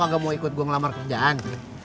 gak mau ikut gue ngelamar kerjaan